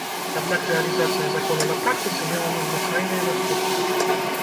Аднак рэалізацыя закона на практыцы мела незвычайныя наступствы.